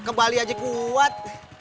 ke bali aja kuat